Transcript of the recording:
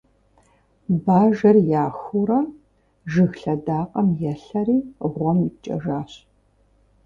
Бажэр яхуурэ, жыг лъэдакъэм елъэри гъуэм ипкӀэжащ.